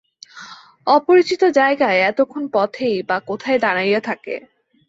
অপরিচিত জায়গায় এতক্ষণ পথেই বা কোথায় দাঁড়াইয়া থাকে?